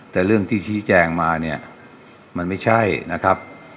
แต่เรื่องที่ชี้แจงมาเนี่ยมันไม่ใช่นะครับ